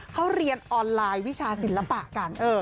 เขาเรียนออนไลน์วิชาศิลปะกัน